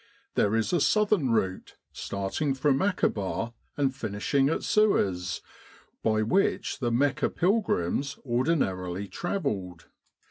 There is a southern route starting from Akaba and finishing at Suez, by which the Mecca pil grims ordinarily travelled.